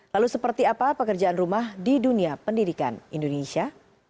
lalu seperti apa pekerjaan rumah di dunia pendidikan indonesia